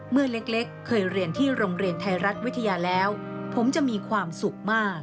เมื่อเล็กเคยเรียนที่โรงเรียนไทยรัฐวิทยาแล้วผมจะมีความสุขมาก